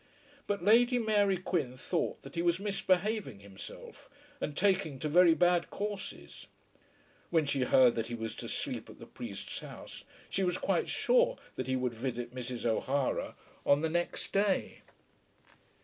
But Lady Mary Quin thought that he was misbehaving himself and taking to very bad courses. When she heard that he was to sleep at the priest's house, she was quite sure that he would visit Mrs. O'Hara on the next day.